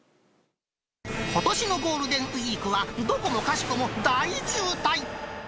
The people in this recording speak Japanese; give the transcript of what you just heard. ことしのゴールデンウィークは、どこもかしこも大渋滞。